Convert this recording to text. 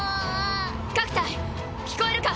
各隊聞こえるか？